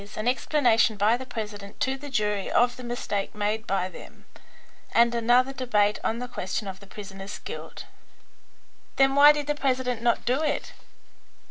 an explanation by the president to the jury of the mistake made by them, and another debate on the question of the prisoner's guilt." "Then why did the president not do it?"